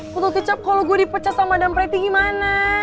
botol kecap kalau gue dipecat sama madam preti gimana